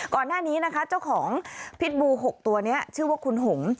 ก่อนหน้านี้นะคะเจ้าของพิษบู๖ตัวนี้ชื่อว่าคุณหง